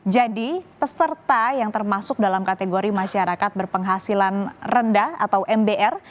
jadi peserta yang termasuk dalam kategori masyarakat berpenghasilan rendah atau mbr